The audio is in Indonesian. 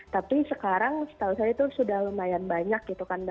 tapi sekarang setahu saya itu sudah lumayan banyak gitu kan